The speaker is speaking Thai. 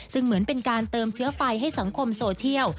ซึ่งเหมือนเป็นการเติมเชื้อไฟให้สังคมโซเชียล